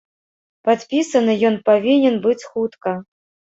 Падпісаны ён павінен быць хутка.